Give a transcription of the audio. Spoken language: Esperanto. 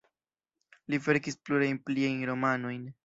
Li verkis plurajn pliajn romanojn.